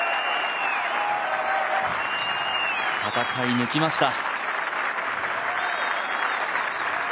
戦い抜きました。